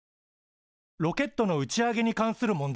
ロケットの打ち上げに関する問題です。